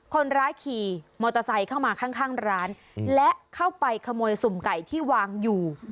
คนร้ายขี่มอเตอร์ไซค์เข้ามาข้างร้านและเข้าไปขโมยสุ่มไก่ที่วางอยู่